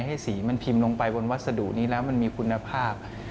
ให้สีมันพิมพ์ลงไปบนวัสดุนี้แล้วมันมีคุณภาพ